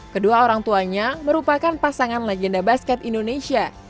kedua orang tuanya merupakan pasangan legenda basket indonesia